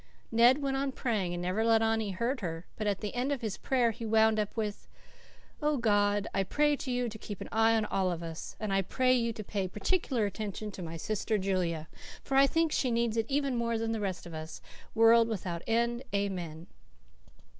Ned went on praying and never let on he heard her, but at the end of his prayer he wound up with 'Oh, God, I pray you to keep an eye on us all, but I pray you to pay particular attention to my sister Julia, for I think she needs it even more than the rest of us, world without end, Amen.